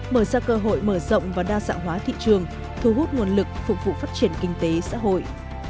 mở ra cơ hội mở rộng và đa dạng hóa thị trường thu hút nguồn lực phục vụ phát triển kinh tế xã hội